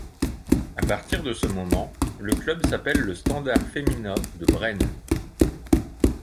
A partir de ce moment, le club s'appelle le Standard Fémina de Braine.